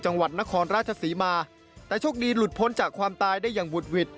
จังหวัดนครราชศรีมาแต่โชคดีหลุดพ้นจากความตายได้อย่างบุดหวิด